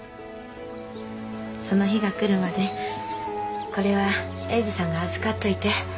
その日が来るまでこれは英治さんが預かっといて。